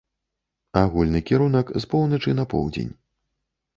Агульны кірунак з поўначы на поўдзень.